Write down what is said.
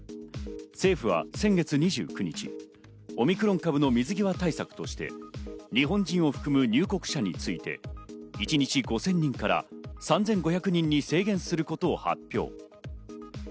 政府は先月２９日、オミクロン株の水際対策として日本人を含む入国者について、一日５０００人から３５００人に制限することを発表。